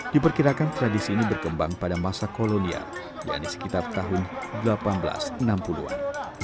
diperkirakan tradisi ini berkembang pada masa kolonial yaitu sekitar tahun seribu delapan ratus enam puluh an